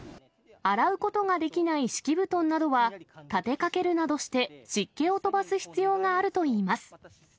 洗うことができない敷布団などは、立てかけるなどして、湿気を飛ばす必要があるといいます。